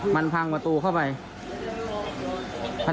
มันพังประตูเข้าไป